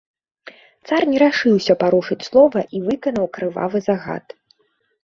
Цар не рашыўся парушыць слова і выканаў крывавы загад.